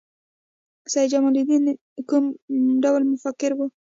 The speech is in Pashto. سید جمال الدین کوم ډول مفکر و؟